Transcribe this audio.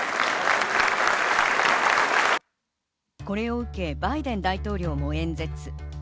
これを受け、バイデン大統領も演説。